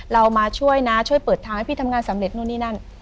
เรามาช่วยนะช่วยเปิดทางให้พี่ทำงานสำเร็จนู่นนี่นั่น